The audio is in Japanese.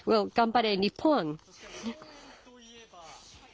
頑張れ！日本！